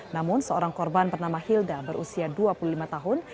namun seorang korban bernama hilda berusia dua puluh lima tahun